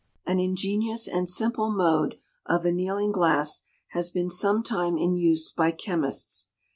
An ingenious and simple mode of annealing glass has been some time in use by chemists.